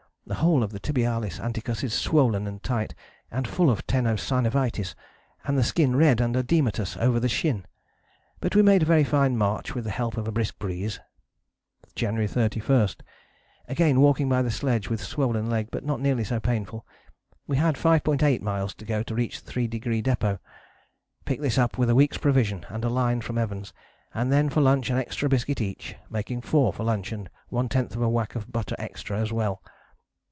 The whole of the Tibialis anticus is swollen and tight, and full of teno synovitis, and the skin red and oedematous over the shin. But we made a very fine march with the help of a brisk breeze." January 31: "Again walking by the sledge with swollen leg but not nearly so painful. We had 5.8 miles to go to reach our Three Degree Depôt. Picked this up with a week's provision and a line from Evans, and then for lunch an extra biscuit each, making 4 for lunch and 1/10 whack of butter extra as well.